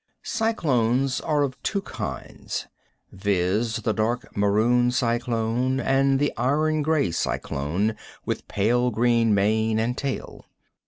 Cyclones are of two kinds, viz: the dark maroon cyclone; and the iron gray cyclone with pale green mane and tail.